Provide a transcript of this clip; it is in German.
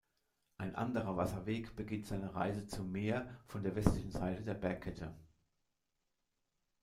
Ein anderer Wasserweg beginnt seine Reise zum Meer von der westlichen Seite der Bergkette.